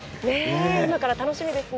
今から楽しみですね。